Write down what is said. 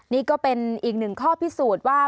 นี่ก็เป็นอีกหนึ่งข้อพิสูจน์ว่า